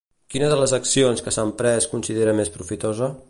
Quina de les accions que s'han pres considera més profitosa?